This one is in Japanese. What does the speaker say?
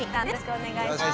お願いします。